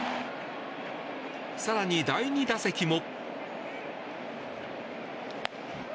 更に、第２打席も。